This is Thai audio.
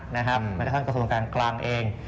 นะครับแม้ก็ท่านกระทรวงการกลางเอง